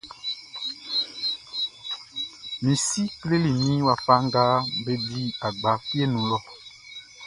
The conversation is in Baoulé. Mi si kleli min wafa nga be di agba fieʼn nun lɔʼn.